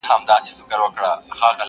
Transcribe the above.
ډېر زلمي به ما غوندي په تمه سي زاړه ورته!.